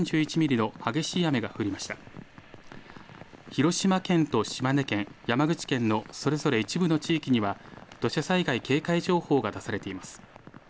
広島県と島根県、山口県のそれぞれ一部の地域には土砂災害警戒情報が出されています。